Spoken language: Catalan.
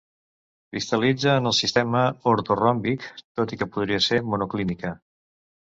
Cristal·litza en el sistema ortoròmbic, tot i que podria ser monoclínica.